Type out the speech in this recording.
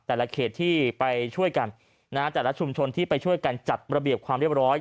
แต่ละเขตที่ไปช่วยกันนะฮะแต่ละชุมชนที่ไปช่วยกันจัดระเบียบความเรียบร้อย